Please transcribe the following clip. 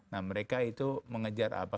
nah mereka itu mengejar apa